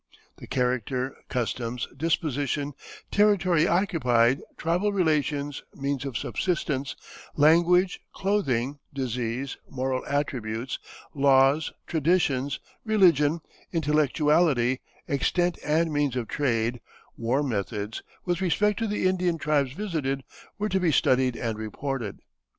The character, customs, disposition, territory occupied, tribal relations, means of subsistence, language, clothing, disease, moral attributes, laws, traditions, religion, intellectuality, extent and means of trade, war methods, with respect to the Indian tribes visited, were to be studied and reported.